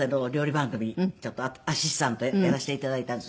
番組ちょっとアシスタントやらせて頂いたんですよ。